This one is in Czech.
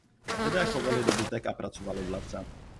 Lidé chovali dobytek a pracovali v lese.